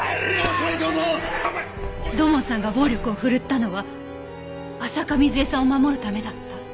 土門さんが暴力を振るったのは浅香水絵さんを守るためだった？